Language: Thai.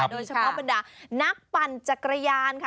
โดยช่องข้อบรรดานักปั่นจักรยานค่ะ